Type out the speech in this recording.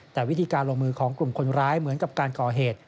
แต่วิธีการลงมือของกลุ่มคนร้ายเหมือนกับการก่อเหตุ